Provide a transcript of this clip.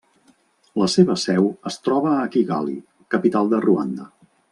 La seva seu es troba a Kigali, capital de Ruanda.